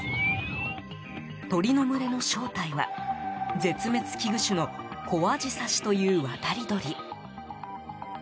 鳥の群れの正体は絶滅危惧種のコアジサシという渡り鳥。